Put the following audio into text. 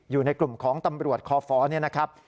อยู่ในกลุ่มของตำรวจคฝนะครับ